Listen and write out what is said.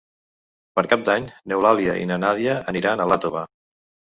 Per Cap d'Any n'Eulàlia i na Nàdia aniran a Iàtova.